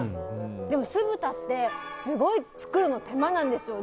でも、酢豚ってすごい作るの手間なんですよ。